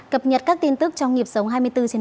cập nhật các tin tức trong nghiệp sống hai mươi bốn h bảy